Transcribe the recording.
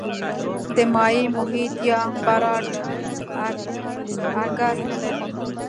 د مایع محیط یا براټ اګر نه لري.